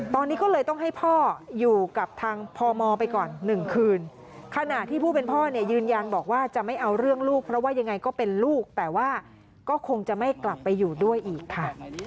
ตอนนี้ก็เลยต้องให้พ่ออยู่กับทางพมไปก่อน๑คืนขณะที่ผู้เป็นพ่อเนี่ยยืนยันบอกว่าจะไม่เอาเรื่องลูกเพราะว่ายังไงก็เป็นลูกแต่ว่าก็คงจะไม่กลับไปอยู่ด้วยอีกค่ะ